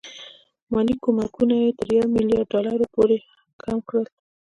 مالي کومکونه یې تر یو میلیارډ ډالرو پورې کم کړل.